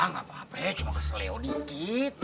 gapapa cuma keselio dikit